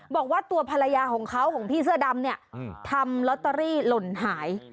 บอกว่าตัวภรรยาของเขาของพี่เสื้อดำเนี่ยทำลอตเตอรี่หล่นหาย